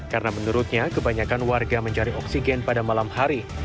karena menurutnya kebanyakan warga mencari oksigen pada malam hari